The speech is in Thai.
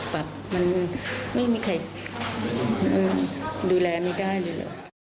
ปรับมันไม่มีใครดูแลไม่ได้เลย